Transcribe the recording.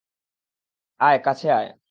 আয় কাছে আয়।